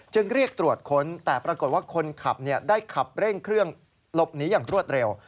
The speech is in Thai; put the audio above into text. เรียกตรวจค้นแต่ปรากฏว่าคนขับได้ขับเร่งเครื่องหลบหนีอย่างรวดเร็ว